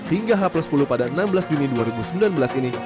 hingga h sepuluh pada enam belas juni dua ribu sembilan belas ini